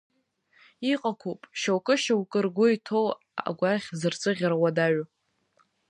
Иҟақәоуп, шьоукы-шьоукы ргәы иҭоу агәаӷь зырҵәыӷьара уадаҩу.